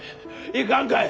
行かんかえ！